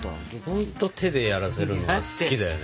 ほんと手でやらせるのが好きだよね。